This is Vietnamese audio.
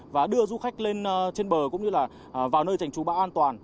và đưa du khách lên trên bờ cũng như là vào nơi trành trú bão an toàn